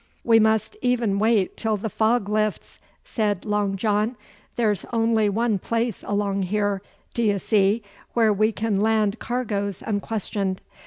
'We must e'en wait till the fog lifts,' said Long John. 'There's only one place along here, d'ye see, where we can land cargoes unquestioned.